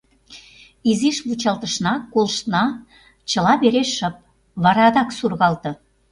Изиш вучалтышна, колыштна — чыла вере шып, вара адак сургалте.